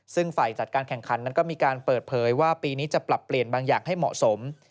ซึ่งฝ่ายจัดการแข่งขันนั้นก็มีการเปิดเผยว่าปีนี้จะปรับเปลี่ยนบางอย่างให้เหมาะสม